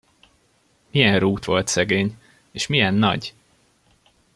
Milyen rút volt szegény, és milyen nagy!